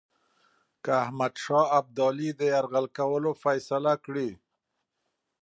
که احمدشاه ابدالي د یرغل کولو فیصله کړې.